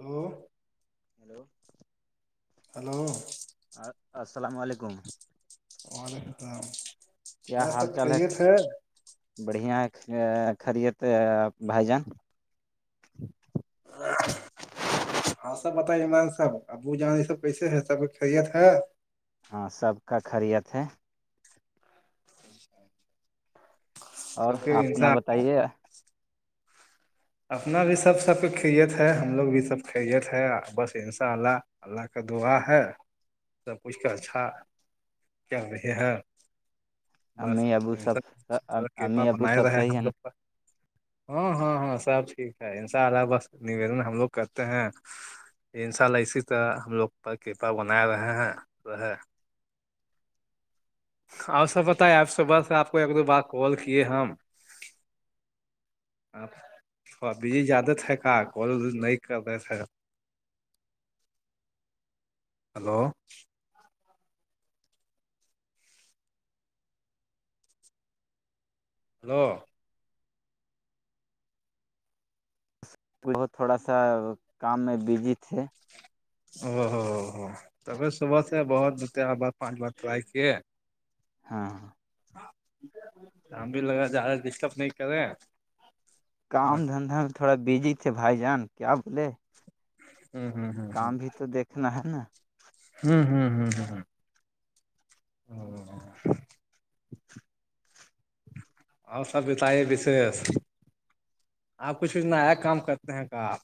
Hello hello hello السلام علیکم وعلیکم اللام کیا حال سب چال ہے خاہیے تھ بڑھیا خریےتے بھائی جان ر ہاں سب بتائی عمران صاب ابو جان یہ سب کیسے ہے سب خیریت ہے ہاں سب کا خریت ہے اور سب کے آپنا انسان بتائیے اپنا بھی سب سب کریت ہے ہم لوگ بھی سب کریت ہے بس ان شاء اللہ اللہ کا دعا ہے سب کچھ کے اچھا چل رہی ہے امی ابو سب بسارحپا امی ابو بنائے سب رہے صحیح ہم ہے نا؟ لوگ کا ہاں ہاں ہاں سب ٹھیک ہے ان شاء اللہ بس نویدن ہم لوگ کرتے ہیں ان ساء اسی طرح ہم لوگ کرپا بنا رہے ہیں تو اور سب بتائے آپ صبح سے آپ کو ایک دو بار کال کیے ہم آ تھ بجی زیادہ تھ کہ کال نہیں کر رہے تھے ہلو ہلو ت تھوڑا سا کام میں بزی تھے او ہو ہوو ہو توبھر صبح سے بہت بتے بار پانچ بار ٹرائی کیے ہاں ہاں شام بھی لگا زدہ ڈسٹرب نہیں کر رہے کام دھندا میں تھوڑا بزی تھے بھائی جان کیا بولے ہ ہ کام بھی تو دیکھنا ہے نا ہوں ہوں ہوں ہ ہوں او اور سب بتائیے بشیش آپ کچھ بھی ن کام کرتے ہیں کا آپ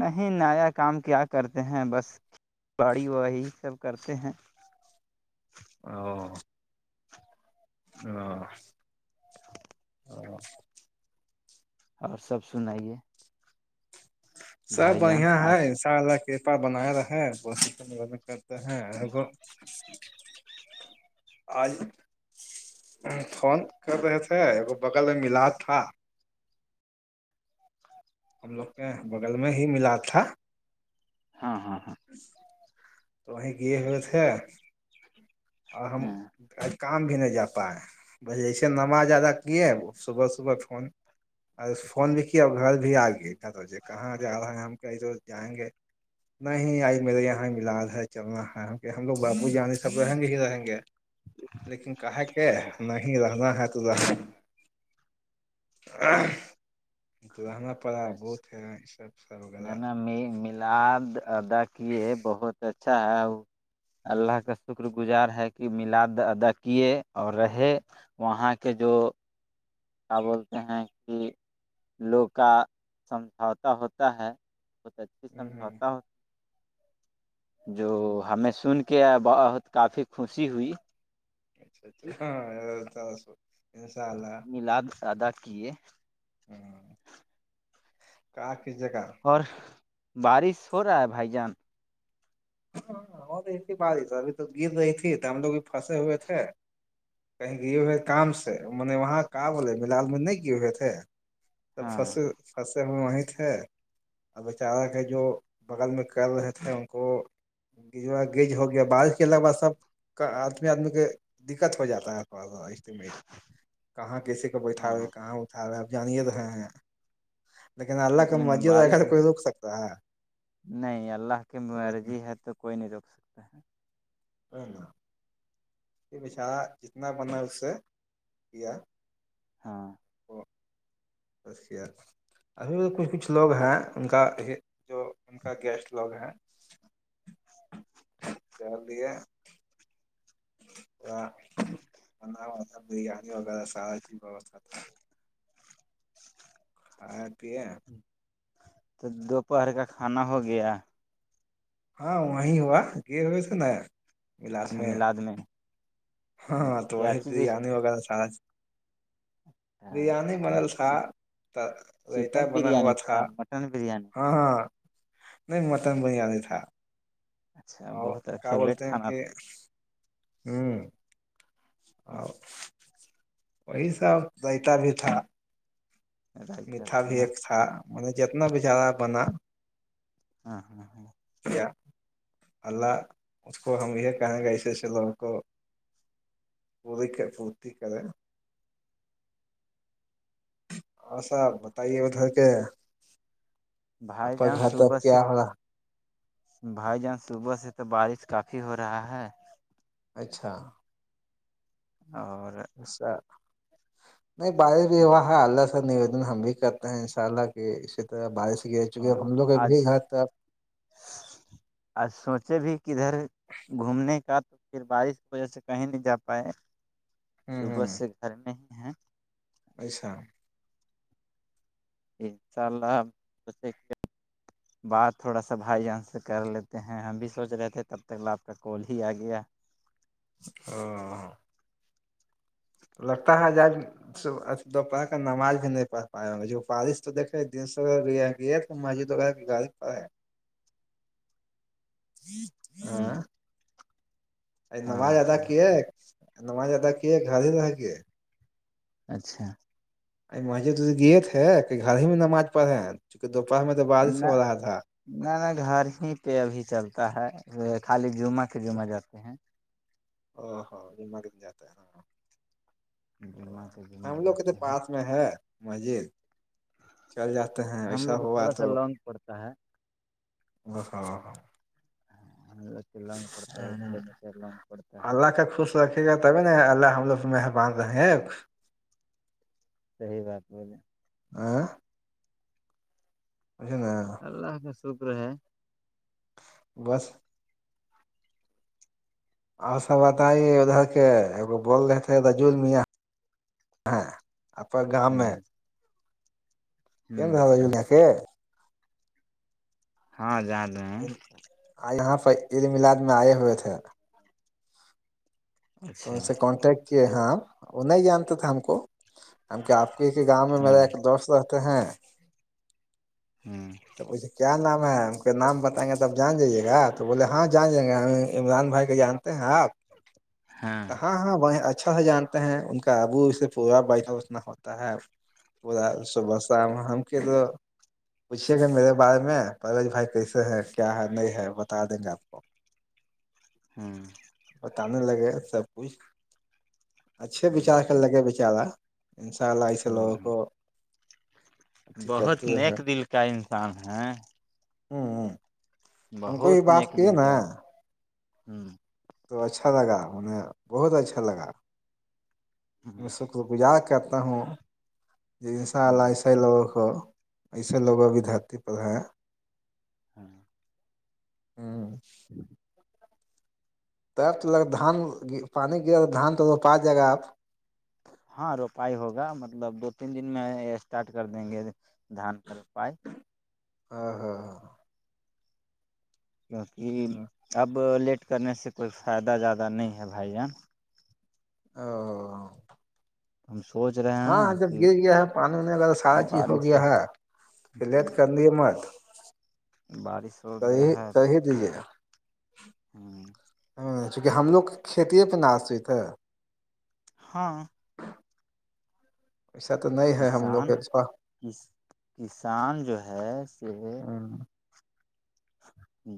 نہیں نیا کام کیا کرتے ہیں بس کھی باڑی واڑی سب کرتے ہیں او ہ [inaudible] اور سب سنائیے سب بھائی جان بڑھیا ہے آج ااء اللہ کرپا بنایا رہے وہ م کرتے ہیں آج فون کر رہے تھے بغل میں ملا تھا ہم لوگ کے بغل میں ہی ملا تھا ہاں ہاں ہاں تو وہیں گی ہو تھی اہم ہاں کام بھی نہیں جا پائے ب جسے نماز زیادہ کیے صبح صبح فون ا اس فون بھی کیا اور گھر بھی آ گئے کہاں جا رہا ہے ہم کہیں تو جائیں گے نہیں آج میرے یہاں ملاد ہے چلنا ہے کہ ہم لوگ باپور جانے سب رہیں گے رہیں گے لیکن کہا کہ نہیں ہی رہنا ہے توذ تو رہنا پڑا بہت ہے یہ سب سب وغیرہ میں لد ادا کیے بہت اچھا ہے اللہ کا شکر گزار ہے کہ میلاد ادا کیے اور رہے وہاں کے جو کیا بولتے ہیں کہ لوگ کا سمجھوتا ہوتا ہے [inaudible] بہت اچھی ہ سمجھوتا ہو جو ہ ہمیں سن کے کے بہت کافی خوشی ہوئی اچھا اچھا کہ ہاں ترسو انساء اللہ لد ادا کیے [inaudible] ہے کا کی جگہ اور بارش ہو رہا ہے بھائی جان ہاں ہو رہی تھی بارش ابھی تو گر رہی تھی تو ہم لوگ بھی پھنسے ہوئے تھے کہ گے ہوئے ہے کام سے م وہاں کا بول ملال میں نہیں گے ہوئے تھے سب ہاں فس [inaudible] فس سے ہو وہیں تھے اور بیچارہ کے جو بغل میں کر رہے تھے ان کو گجا گیج ہو گیا بارش ک کے بع سب کا آدمی آدمی کے دقت ہو جاتا ہے رہ کہاں کیسے کو بیٹھا رہے ہاں کہاں اٹھا رہے آپ جانے رہے ہیں لیکن اللہ کا نہیں نہیں مسجد ا بارش گ ہے. کوئی رک سکتا ہے نہیں اللہ کی یہ بات نہیں مرضی ہے تو کوئی نہیں روک سکتا ہے [inaudible] بچار جتنا بنا اس سے کیا [inaudible] ہاں وہ [inaudible] ابھی بھی کچھ کچھ لوگ ہیں ان کا جو ان کا گیسٹ لوگ ہیں [inaudible] بریانی وغیرہ سارای ووا تھا [inaudible] [inaudible] تو دوپہر کا کھانا ہو گیا ہاں وہیں ہوا گر ہوئےس نا اچھا ملاد میں ہاں تو کیا وہی چیز بریانی وغیرہ سارا بریانی بنل تھا رائتا چکن بنا ہوا بریانی تھا مٹن بریانی ہاں ہاں نہیں مٹن بریانی تھا اچھا اور بہت کیا فیوریٹ بولتے ہیں کھانا کہ ہوں اور وہی سا ریتا بھی تھا رائتا میٹھا بھی نا ایک تھا م نے جتنا بھی ج رہا بنا ہاں ہاں ہاں اللہ اس کو ہم یہ کہیں گے ایسے ایسے لوگ کو پوری کے پورتی کر اوراں ساپ ہاں بتائیے ادھر کے [inaudible] بھائی آپ کا جان گھر صب تب سے کیا ہو رہا بھائی جان صبح سے تو بارش کافی ہو رہا ہے اچھا اور اسا [inaudible] نہیں بارر بھی ہوا ہے اللہ سا نویدن ہم بھی کرتے ہیں ان شاء اللہ کی اس بارش کی چکہ ہم لوگ ا بھی گھر آ سوچے بھی ک ادھر گھومنے کا تو پھر بارش کی وجہ سے کہیں نہیں جا پائے ہ صبح سے گھر میں ہی ہیں اچھا انشاء اللہ سوچ [inaudible] بات تھوڑا سا بھائی جان سے کر لیتے ہیں ہم بھی سوچ رہے تھے تب تک آپ کا کال ہی آ گیا ہ لگتا ہے جب دوپہر کا نماز بھی نہیں پڑھ پائے فارش تو دیکھے گ تو مجے توڑا گال کا ہے ہ ہاں ا ہاں نماز ادا ہاں کی نماز ادا کیے گھر ہی رہ کے اچھا ا مے تو یہ تھے کہ گھر ہی میں نماز پڑھے چونکہ دوپہر میں تو بارش نہ ہو رہا تھا نہ ن گھر ہی پہ ابھی چلتا ہے خالی جمعہ سے جمعہ جاتے ہیں ا ہاں یہ مگن جاتا ہے ہاں او جمعہ کے ہم جمعہ لوگ کے تو جاتے ہیں پاس میں ہے مسجد چل جاتے ہیں ہم ایسا لوگ کو ہوا تھوڑا سا تو لانگ پڑتا ہے ا ہاں ہم لوگ تو لونگ پڑتا ہے ایک کلو میٹر لونگ پڑتا ہے اللہ کا خوش رکھے گا تبھی نا اللہ ہم لوگ مہربان رہے ہیں صحی بات بے آ اچھ نا اللہ کا شکر ہے بس اور سا بتائیے ادھر کے ای بول رہے تھے رجول میاں ہیں اپنا ہ گامؤ میں ہ ن رہا جون آ کےے ہاں جا یہاں پرہ عد ملاد میں آئے ہوئے تھے تو اچھا ان سے کانٹیکٹ کیے ہیں وہ نہیں جانتے تھا ہم کو ہم کیا آپ کی کہ گاؤں میں ہاں میرا ایک دوست رہتے ہیں ہاں ے کیا نام ہے ہم کے نام بتائیں گے تب جان جائیے گا تو بولے ہاں جان جائیں گے ہم عمران بھائی کے جان آپ ہاں ہاں وہ اچھا س جان ان کا ابو اس سے پورا ب اتنا ہوتا ہے پورا صبح شام ہم کیا تو پوچھیے گا میرے بارے میں پرلج بھائی کیسے ہے کیا ہے نہیں ہے بتا دیں گے آپ کو [unintelligible] [unintelligible] ہاں بتانے لگے سب کچھ اچھے ہاں بچار کر لگے بیچارا انشاء اللہ اس ہاں لوگوں کو اھی کرتے کیا انسان ہیں ہوں ہ ہم کو یہ بات کیے نا ہوں تو اچھا لگا انیں بہت اچھا لگا ہ گجار کرتا ہوں ج ان شاء اللہ اس ہ ے لوگوں کو ایسے لوگ بھی دھرتی پردھ ہیں ہوں ہاں ہوں ت دان پانی گرا دھان تو روپا ج گا آپ ہاں روپائی ہوگا مطلب دو تین دن میں اسٹارٹ کر دیں گے دان کا روپائے ہاں ہاں ہاں کیونکہ اب لیٹ کرنے سے کوئی فائدہ زیادہ نہیں ہے بھائی جان ا ہم سوچ رہے ہیں ہاںاں نا جب کہ گر گیا ہے پانی ہونے والدہ سارا چیز ہو بارش گیا ہے پلت کرند مت [unintelligible] بارش ہو کر گیا ہے کر تو ہی پھر دیجیے ہوں چونکہ ہم لوگ کھیتے پہ ن آسیت ہے ہاں [inaudible] ایسا تو نہیں ہے ہم لوگ کسان کےا کس کسان جو ہے سے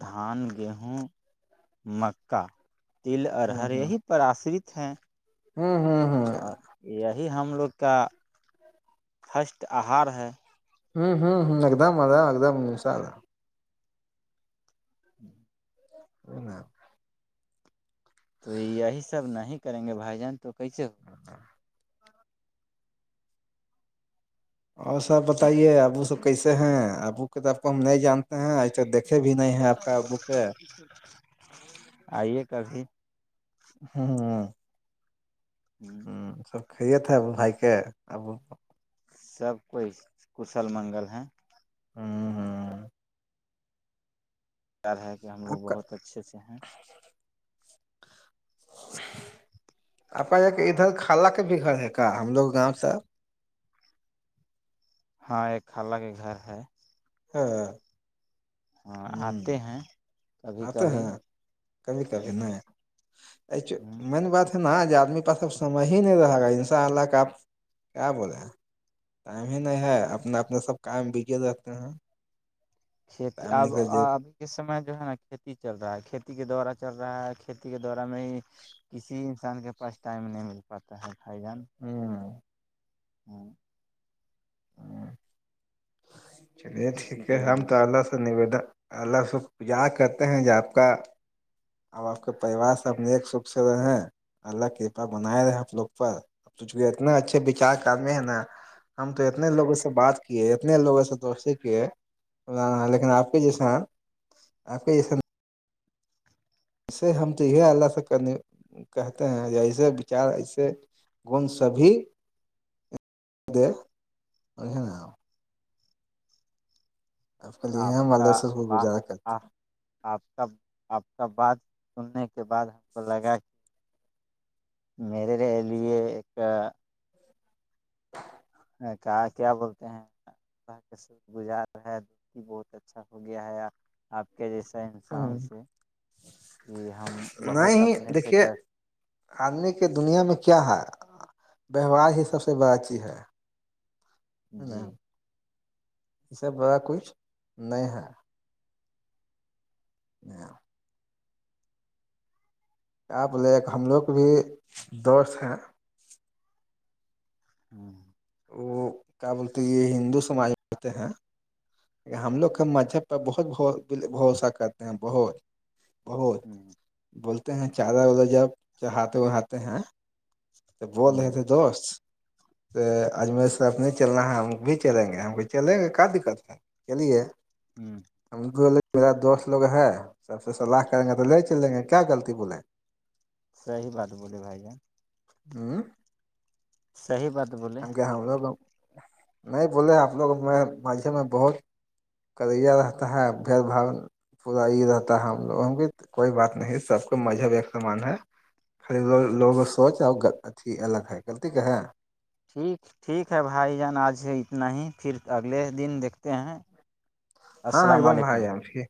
دھان گیہوں مکا تل ہوں ارہر ہ یہی پر آشرت ہیں ہوں ہوں ہ اور یہی ہم لوگ کا فرسٹ آہار ہے ہوں ہوں ہ ایک دم آ رہا ایک دم نس رہا ہوں [inaudible] ہنا [unintelligible] تو یہی سب نہیں کریں گے بھائی جان تو کیسے ہو اچا [inaudible] اور سب بتائیے ابو سب کیسے ہیں ابو ک توب کو ہم نہیں جانتے ہیں ایے تو دیکھ ے بھی نہیں ہے آپ بوک بالکل [inaudible] آئیے کافی ہاں ہ [inaudible] ہ سب کھے تھے اب بھائی کے اب سب کوئی کشل منگل ہیں ہاں ہاں [inaudible] یار ہے کہ ہم لگ آپ کا بہت اچھے سے ہیں اپ یہ ادھر خالا کے بھی گھر ہے کا ہم لوگ گاؤ سے ہاں ایک خلہ کے گھر ہے ہاں [inaudible] اور آتے ہیں کبھی آتے کبھی ہیں کبھی کبھی ہ نہیں ایک ہ مین بات [unintelligible] نا آج آدمی پاس اب سمج ہی نہیں رہے گا ان شاء اللہ کا آپ کیا بولے ٹائم ہی نہیں ہے اپنا اپنا سب کام بگی رکھتے ہیں کھیتی ٹائم اب نکل جائے ابھی کے سمے جو ہے نا کھیتی چل رہا ہے کھیتی کے دوارا چل رہا ہے کھیتی کے دورا میں ہی کسی انسان کے پاس ٹائم نہیں مل پاتا ہے کھائی جان ہوں [inaudible] ہوں چلیے ٹھیک اسی کی ہے ہم وجہ تو اللہ سے تو نویدن اللہ سے پجار کرتے ہیں ج آپ کا اب آپ کے پریوار سب اپ نیک سکھ سے رہے اللہ کرپا بنائے رہے آپ لوگ پر تو چونکہ اتنے اچھے وچار کردمی ہیں نا ہم تو اتنے لوگوں سے بات کیے نے لوگوں سے دوستی کیا لیکن آپ کے جیسے آپ کے جیسے اسے ہم چاہیے اللہ سے کرنے کہتے ہیں ایسے وچار ایسے گن سبھی دے اھ نا اب کلے ہے آپ ہم والہ کا سے کو با گزارا کرتے آ- آپ کا آپ کا بات سننے کے بعد ہم کو لگا کہ میرے لیے ایک ہاں کہ کیا بولتے ہیں طح کا شکر گزار رہا دتی بہت اچھا ہو گیا ہے آپ کے جیسا انسان ہیں۔ سے کہ ہم بہت نہیں اپنے سے دیکھیے گ آدمی کے دنیا میں کیا ہے ویوہار ہی سب سے بڑا چیز ہے جی یہ سب بڑا کچھ نہیں ہے ج کیا بولے ایک ہم لوگ کے بھی دوست ہیں ہوں وہ کیا بولتے یہ ہندو سماج میں ہوتے ہیں ہم لوگ کا مذہب پہ بہت بھروسا کر بہت بہت ہ بولتے ہیں چادر ودر جب چہاتے وہاتے ہیں تو ہ بول رہے تھے دوست اجمیر سے آب نہیں چل رہنا ہے ہم بھی چلیں گے ہم کو چلیں گے کیا دقت ہے چلیے ہوں ہم کوے میرا دوست لوگ ہے سب سے سلاح کریں گے تو لے چل لیں گے کیا غطی بولے صحی بات بولیے بھائی ہ جصحی بات بلی کہ ہم لوگ نہیں بولے آپ لوگ میں میں بہت کری رہتا ہے بھید بھا پورا یہ رہتا ہے ہم لوگوں کی کوئی بات نہیں سب کو مذہب ایک سمان ہے خریدو لوگوں سوچ آ اھی الگ ہے غلطی کا ہے ٹھیک ٹھیک ہے بھائی جان آج اتنا ہی پھر اگلے دن دیکھتے ہیں ہاں ایک السلام دم آائی علیکم جم سے